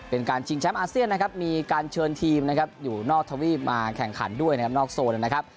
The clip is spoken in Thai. เป็นการชิงแชมป์อาเซียนนะครับมีการเชิญทีมนะครับอยู่นอกทวีปมาแข่งขันด้วยนะครับนอกโซนนะครับ